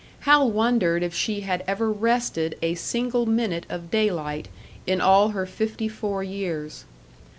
Hal wondered if she had ever rested a single minute of daylight in all her fifty four years.